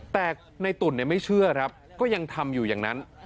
แต่ในตุ่นไม่เชื่อครับก็ยังทำอยู่อย่างนั้น